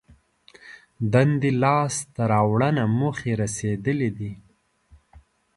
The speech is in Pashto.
دندې لاس ته راوړنه موخې رسېدلي دي.